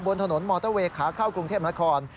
บนถนนมอเตอร์เวย์ขาเข้ากรุงเทพนคร